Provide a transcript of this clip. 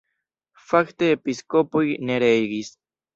Fakte episkopoj ne regis.